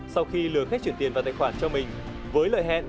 sau khi lừa khách chuyển tiền vào tài khoản cho mình với lời hẹn